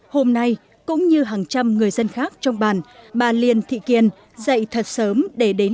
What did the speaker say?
hôm nay cũng như hàng trăm người dân khác trong bàn bà liên thị kiên dạy thật sớm để đến